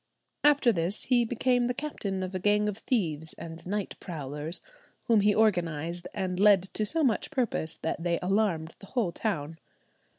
After this he became the captain of a gang of thieves and night prowlers, whom he organized and led to so much purpose that they alarmed the whole town.